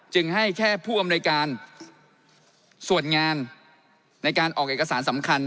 ให้แค่ผู้อำนวยการส่วนงานในการออกเอกสารสำคัญ